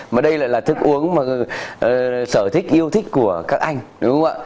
mà đây lại là thức uống mà sở thích yêu thích của các anh đúng không ạ